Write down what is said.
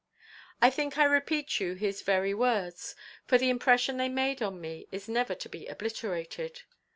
I think I repeat you his very words; for the impression they made on me is never to be obliterated.